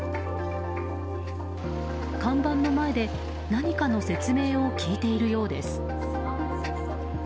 看板の前で何かの説明を聞いているようです。